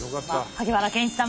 萩原健一さん